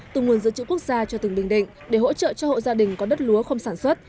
từ nguồn dự trữ quốc gia cho tỉnh bình định để hỗ trợ cho hộ gia đình có đất lúa không sản xuất